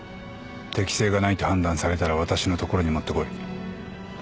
適性がないと判断されたら私の所に持ってこい。